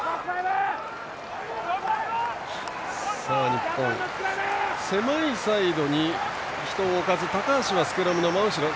日本、狭いサイドに人を置かず高橋はスクラムの真後ろ。